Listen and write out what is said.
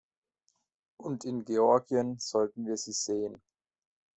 Und in Georgien sollten wir sie sehen.